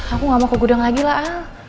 aku gak mau ke gudang lagi lah